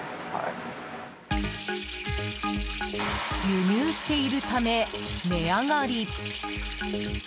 輸入しているため、値上がり。